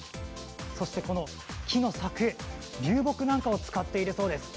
そして木の柵流木なんかを使っているそうです。